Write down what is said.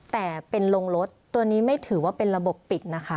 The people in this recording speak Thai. แต่เป็นโรงรถตัวนี้ไม่ถือว่าเป็นระบบปิดนะคะ